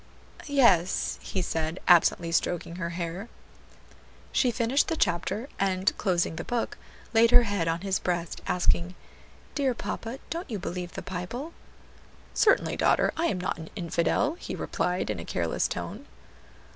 "Yes," he said, absently stroking her hair. She finished the chapter, and closing the book, laid her head on his breast, asking, "Dear papa, don't you believe the Bible?" "Certainly, daughter; I am not an infidel," he replied in a careless tone.